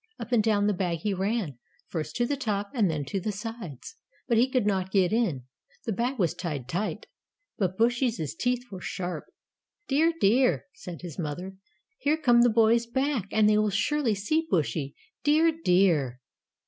Up and down the bag he ran, first to the top and then to the sides. But he could not get in the bag was tied tight. But Bushy's teeth were sharp. "Dear, dear," said his mother, "here come the boys back, and they will surely see Bushy dear, dear."